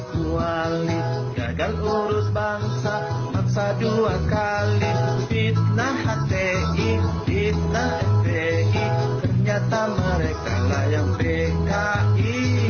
ternyata mereka layak bki